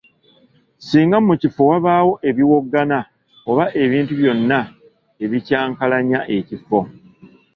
Singa mu kifo wabaawo ebiwoggana oba ebintu byonna ebikyankalanya ekifo.